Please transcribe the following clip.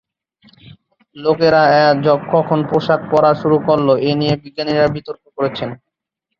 লোকেরা কখন পোশাক পরা শুরু করলো এ নিয়ে বিজ্ঞানীরা বিতর্ক করছেন।